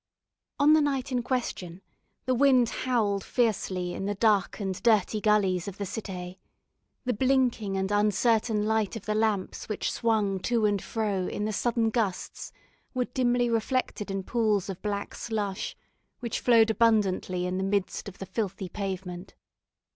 On the night in question, the wind howled fiercely in the dark and dirty gullies of the Cité; the blinking and uncertain light of the lamps which swung to and fro in the sudden gusts were dimly reflected in pools of black slush, which flowed abundantly in the midst of the filthy pavement.